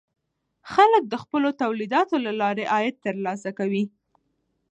خلک د خپلو تولیداتو له لارې عاید ترلاسه کوي.